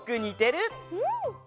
うん！